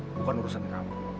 bukan urusan kamu